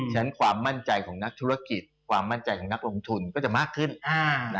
ฉะนั้นความมั่นใจของนักธุรกิจความมั่นใจของนักลงทุนก็จะมากขึ้น